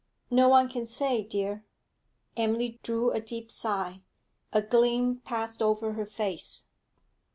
'No one can say, dear.' Emily drew a deep sigh; a gleam passed over her face.